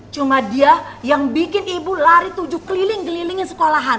cuma dia yang bikin ibu lari tujuh keliling kelilingi sekolahan